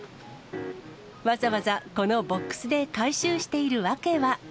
わざわざこのボックスで回収している訳は。